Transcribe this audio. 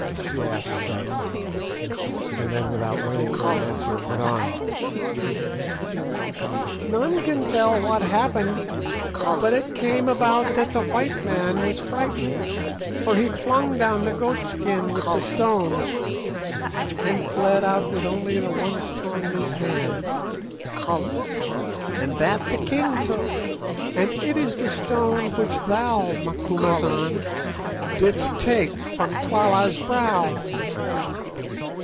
she asked sharply; and then, without waiting for an answer, went on— "None can tell what happened; but it came about that the white man was frightened, for he flung down the goat skin, with the stones, and fled out with only the one stone in his hand, and that the king took, and it is the stone which thou, Macumazahn, didst take from Twala's brow."